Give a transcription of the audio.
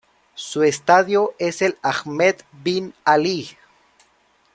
Su estadio es el Ahmed bin Ali.